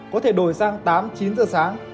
có thể đổi sang tám chín giờ sáng